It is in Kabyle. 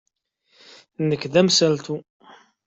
Nekk d amsaltu.